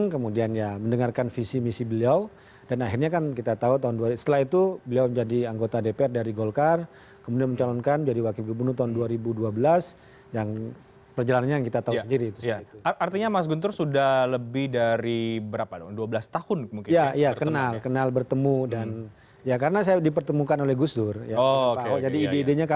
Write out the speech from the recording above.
kemudian yang masuk silakan kalau mau beramal ya